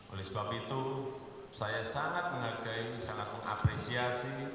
oleh sebab itu saya sangat menghargai sangat mengapresiasi